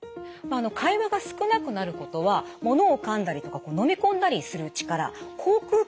会話が少なくなることはものをかんだりとか飲み込んだりする力口くう